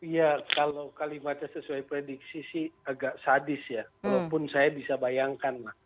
ya kalau kalimatnya sesuai prediksi sih agak sadis ya walaupun saya bisa bayangkan lah